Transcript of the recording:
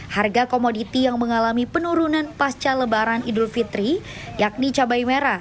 harga komoditi yang mengalami penurunan pasca lebaran idul fitri yakni cabai merah